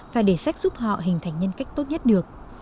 và để sách giúp họ hình thành nhân cách tốt nhất được